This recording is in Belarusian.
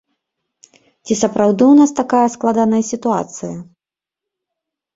Ці сапраўды ў нас такая складаная сітуацыя?